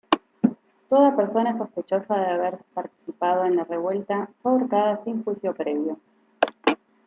Toda persona sospechosa de haber participado en la revuelta fue ahorcada sin juicio previo.